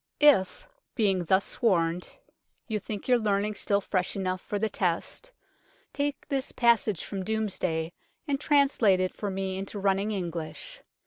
If, being thus warned, you THE DOMESDAY BOOK 71 think your learning still fresh enough for the test, take this passage from Domesday and trans late it for me into running English.